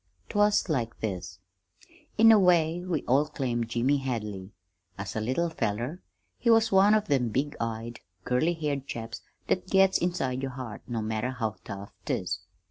'Twas like this: "In a way we all claimed Jimmy Hadley. As a little fellow, he was one of them big eyed, curly haired chaps that gets inside your heart no matter how tough't is.